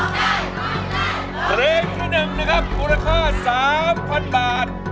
เพื่อร้องได้ให้ร้าง